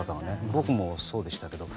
僕もそうでしたけども。